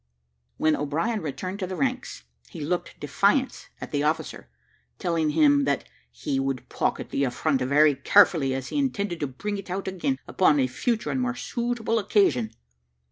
When O'Brien returned to the ranks, he looked defiance at the officer, telling him that "he would pocket the affront very carefully, as he intended to bring it out again upon a future and more suitable occasion."